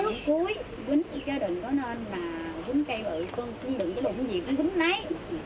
quýnh chứ đừng có nên mà quýnh cây bự quýnh đừng có đụng gì cũng quýnh lấy